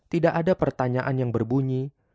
tidak ada pertanyaan yang berbunyi